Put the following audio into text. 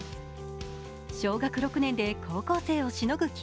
小学６年で高校生をしのぐ